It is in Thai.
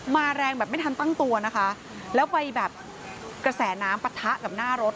แรงแบบไม่ทันตั้งตัวนะคะแล้วไปแบบกระแสน้ำปะทะกับหน้ารถ